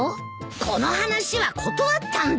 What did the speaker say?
この話は断ったんだ。